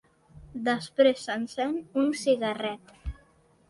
Després s'encén un cigarret.